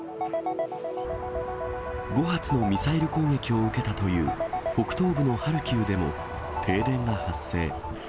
５月のミサイル攻撃を受けたという北東部のハルキウでも、停電が発生。